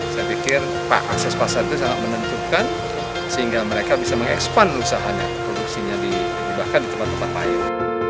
saya pikir akses pasar itu sangat menentukan sehingga mereka bisa mengekspan usahanya produksinya bahkan di tempat tempat lain